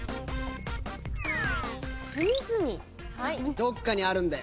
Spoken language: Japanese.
どっかにあるんだよ。